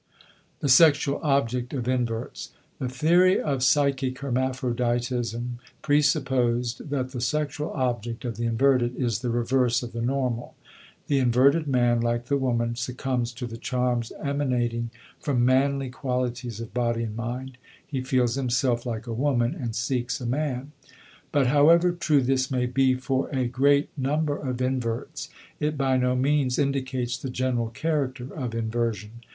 *The Sexual Object of Inverts.* The theory of psychic hermaphroditism presupposed that the sexual object of the inverted is the reverse of the normal. The inverted man, like the woman, succumbs to the charms emanating from manly qualities of body and mind; he feels himself like a woman and seeks a man. But however true this may be for a great number of inverts, it by no means indicates the general character of inversion.